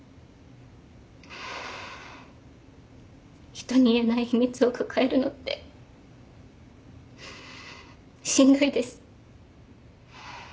人に言えない秘密を抱えるのってしんどいです。